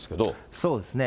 そうですね。